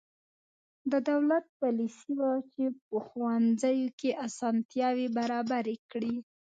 د دولت پالیسي وه چې په ښوونځیو کې اسانتیاوې برابرې کړې.